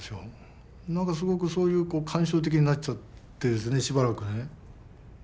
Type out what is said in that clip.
なんかすごくそういう感傷的になっちゃってしばらくね。